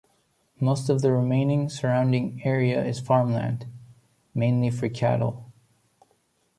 Most of the remaining surrounding area is farm land, mainly for cattle.